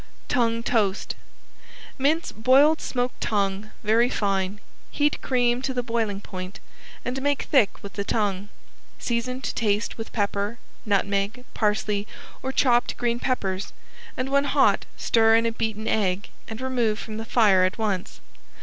~TONGUE TOAST~ Mince boiled smoked tongue very fine, heat cream to the boiling point and make thick with the tongue. Season to taste with pepper, nutmeg, parsley or chopped green peppers and when hot stir in a beaten egg and remove from the fire at once.